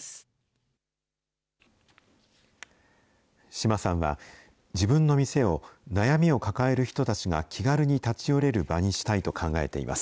島さんは、自分の店を悩みを抱える人たちが気軽に立ち寄れる場にしたいと考えています。